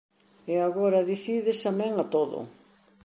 E agora dicides amén a todo.